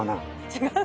違う！